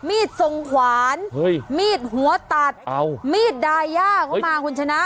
มีดทรงขวานมีดหัวตัดมีดดาย่าก็มาคุณชนะ